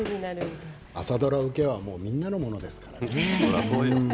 朝ドラ受けはみんなのものですからね。